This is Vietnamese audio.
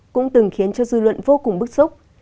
cũng từng khiến cho dư luận vô cùng bức xúc